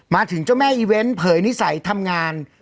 มาถึงเจ้าแม่อีเวนต์เผยนิสัยทำงาน